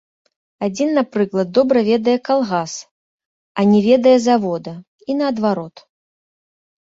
Адзін, напрыклад, добра ведае калгас, а не ведае завода, і наадварот.